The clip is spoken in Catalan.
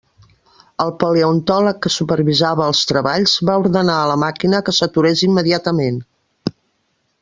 El paleontòleg que supervisava els treballs va ordenar a la màquina que s'aturés immediatament.